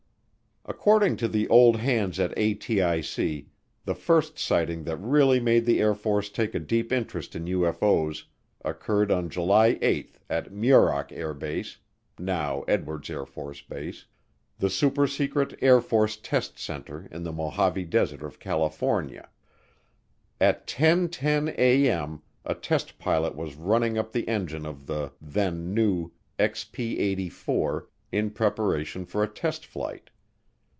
According to the old hands at ATIC, the first sighting that really made the Air Force take a deep interest in UFO's occurred on July 8 at Muroc Air Base (now Edwards AFB), the supersecret Air Force test center in the Mojave Desert of California. At 10:10A.M. a test pilot was running up the engine of the then new XP 84 in preparation for a test flight.